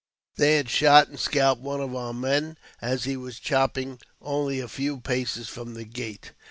They had shoi and scalped one of our men as he was chopping only a few paces' from the gate.